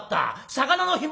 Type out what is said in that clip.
「魚の干物」。